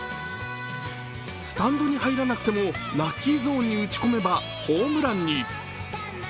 スタンドに入らなくてもラッキーゾーンに打ち込めばホームランに。